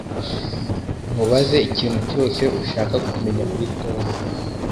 Mubaze ikintu cyose ushaka kumenya kuri Tom